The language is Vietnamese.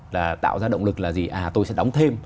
là tạo ra động lực là gì à tôi sẽ đóng thêm